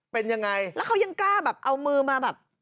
เป็นยังไงแล้วเขายังกล้าแบบเอามือมาแบบ